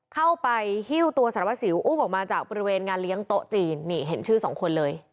เข้าไปฮิ้วตัวสารวัสสิวอุ้มออกมาจากบริเวณงานเลี้ยงโต๊ะจีนนี่เห็นชื่อสองคนเลย